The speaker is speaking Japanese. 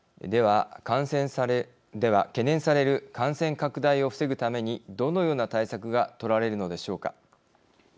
では、懸念される感染拡大を防ぐためにどのような対策が取られるのでしょうか。